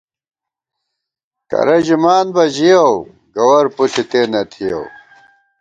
کرہ ژِمان بہ ژِیَؤ ، گوَر پُݪ اِتے نہ تھِیَؤ